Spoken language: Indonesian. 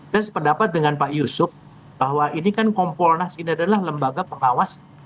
saya sependapat dengan pak yusuf bahwa ini kan kompolnas ini adalah lembaga pengawas